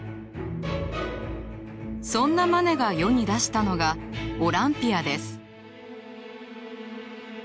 そんなマネが世に出したのが「オランピア」です。